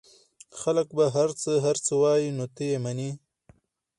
خلک به هرڅه هرڅه وايي نو ته يې منې؟